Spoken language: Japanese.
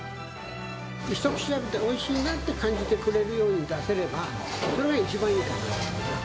一口食べておいしいなって感じてくれるように出せればそれが一番いい。